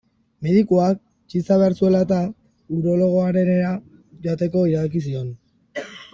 Medikuak, txiza behar zuela-eta, urologoarenera joateko iradoki zion.